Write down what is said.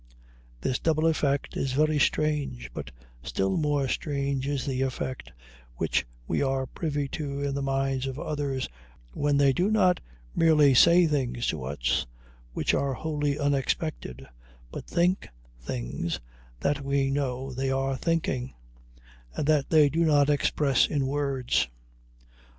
This double effect is very strange, but still more strange is the effect which we are privy to in the minds of others when they not merely say things to us which are wholly unexpected, but think things that we know they are thinking, and that they do not express in words.